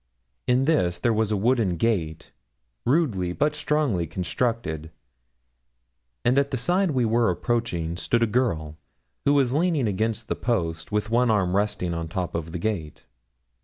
In this there was a wooden gate, rudely but strongly constructed, and at the side we were approaching stood a girl, who was leaning against the post, with one arm resting on the top of the gate.